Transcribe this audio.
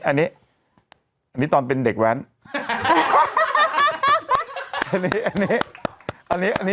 อันนี้ตอนเป็นเด็กแว้น